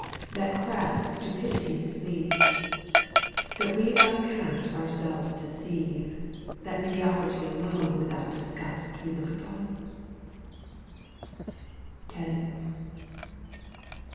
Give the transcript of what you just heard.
That crass stupidity misleads, That we by cant ourselves deceive, That mediocrity alone Without disgust we look upon